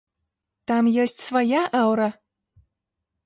Там ёсць свая аўра.